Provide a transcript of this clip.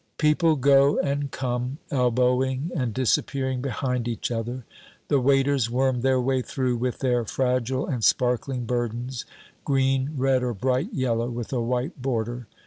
People go and come, elbowing and disappearing behind each other. The waiters worm their way through with their fragile and sparkling burdens green, red or bright yellow, with a white border.